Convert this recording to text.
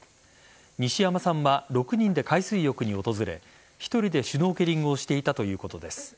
西山さんは６人で海水浴に訪れ１人でシュノーケリングをしていたということです。